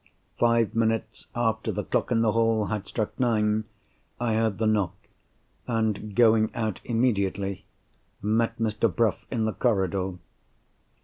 Five minutes after the clock in the hall had struck nine, I heard the knock; and, going out immediately, met Mr. Bruff in the corridor.